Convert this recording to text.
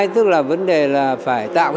tức là vấn đề là phải tạo